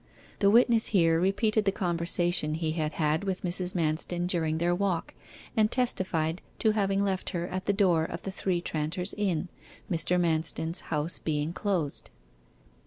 The witness here repeated the conversation he had had with Mrs. Manston during their walk, and testified to having left her at the door of the Three Tranters Inn, Mr. Manston's house being closed.